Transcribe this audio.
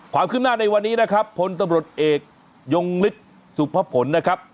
ความขึ้นหน้าในวันนี้นะครับพลตบรสเอกยงฤทธิ์สุภพนธ์นะครับ